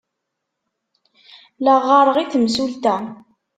La ɣɣareɣ i temsulta.